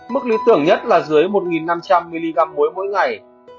mức lý tưởng nhất là dưới một năm trăm linh mg muối mỗi ngày